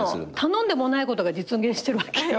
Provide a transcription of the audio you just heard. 頼んでもないことが実現してるわけよ。